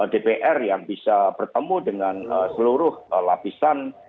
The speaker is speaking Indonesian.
dpr yang bisa bertemu dengan seluruh lapisan